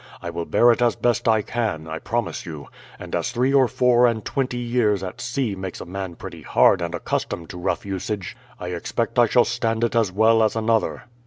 I will bear it as best I can, I promise you; and as three or four and twenty years at sea makes a man pretty hard and accustomed to rough usage, I expect I shall stand it as well as another."